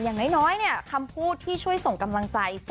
อย่างน้อยคำพูดที่ช่วยส่งกำลังใจ